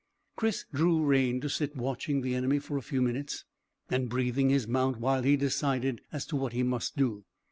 Chris drew rein to sit watching the enemy for a few minutes, and breathing his mount while he decided as to what he must do.